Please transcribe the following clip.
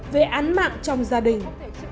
về án mạng trong gia đình